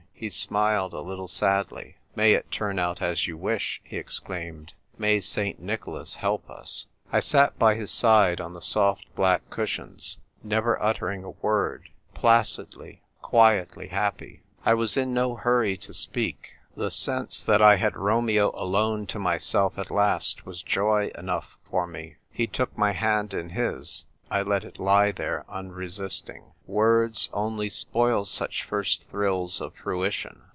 He smiled, a little sadly. " May it turn out as you wish," he exclaimed. " May St. Nicholas help us !" I sat by his side on the soft black cushions, never uttering a word — placidly, quietly happy. I was in no hurry to speak ; the sense that I had Romeo alone to myself at last was joy enough for me. He took my hand in his. I let it lie there, unresisting. Words only spoil such first thrills of frui tion.